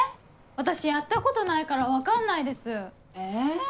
私やったことないから分かんないです！え？